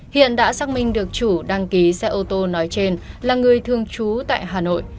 hiện đã xác minh được chủ đăng ký xe ô tô nói trên là người thương chú tại hà nội